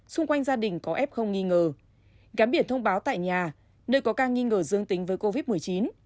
xung quanh gia đình có f nghi ngờ gắn biển thông báo tại nhà nơi có ca nghi ngờ dương tính với covid một mươi chín